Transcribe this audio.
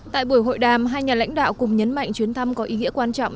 tại buổi hội đàm hai nhà lãnh đạo cùng nhấn mạnh chuyến thăm có ý nghĩa quan trọng